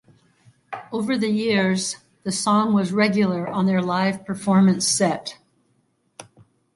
Over the years, the song was regular on their live performance set.